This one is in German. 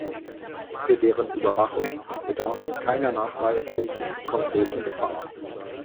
Für deren Überwachung bedarf es keiner nachweislich konkreten Gefahr.